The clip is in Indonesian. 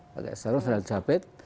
pakai sarung saya ada jabet